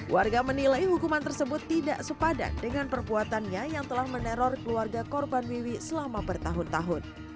warga menilai hukuman tersebut tidak sepadan dengan perbuatannya yang telah meneror keluarga korban wiwi selama bertahun tahun